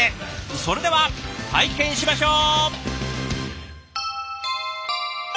それでは拝見しましょう！